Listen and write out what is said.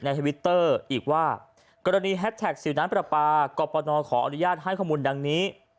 ทวิตเตอร์อีกว่ากรณีแฮชแท็กสิวน้ำปลาปลากรปนขออนุญาตให้ข้อมูลดังนี้